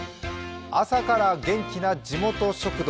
「朝から元気な地元食堂」